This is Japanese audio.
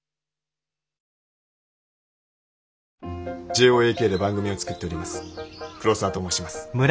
ＪＯＡＫで番組を作っております黒沢と申します。